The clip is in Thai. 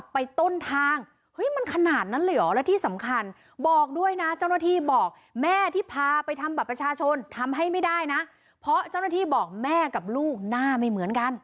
เพราะเจ้าหน้าที่บอกแม่กับลูกหน้าไม่เหมือนกัน